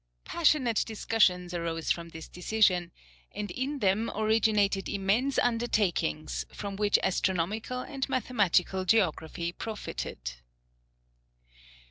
Passionate discussions arose from this decision, and in them originated immense undertakings, from which astronomical and mathematical geography profited.